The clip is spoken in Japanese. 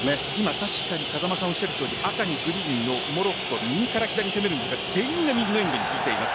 確かに風間さんがおっしゃるとおりモロッコ左から右に攻めるんですが全員が右のエンドに引いています。